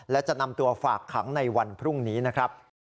และจะนำตัวฝากขังในวันพรุ่งนี้นะครับ